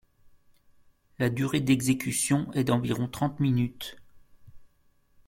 La durée d'exécution est d'environ trente minutes.